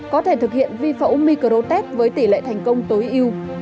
có thể thực hiện vi phẫu micro test với tỷ lệ thành công tối yêu